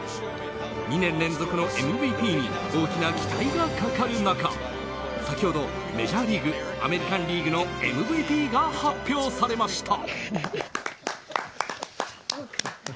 ２年連続のＭＶＰに大きな期待がかかる中先ほど、メジャーリーグアメリカン・リーグのＭＶＰが発表されました。